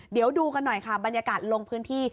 เดี๋ยวดูกันหน่อยค่ะบรรยากาศลงพื้นที่